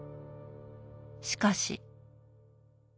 しかし。